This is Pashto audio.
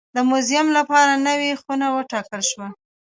د موزیم لپاره نوې خونه وټاکل شوه.